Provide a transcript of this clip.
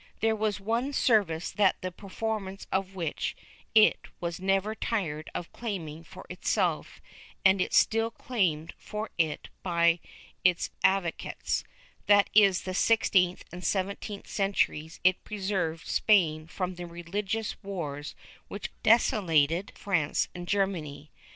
There was one service the performance of which it was never tired of claiming for itself and is still claimed for it by its advo cates— that in the sixteenth and seventeenth centuries it preserved Spain from the religious wars which desolated France and Ger many.